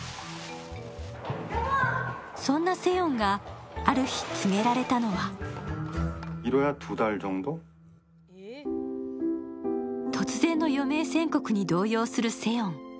そんなセヨンがある日、告げられたのは突然の余命宣告に動揺するセヨン。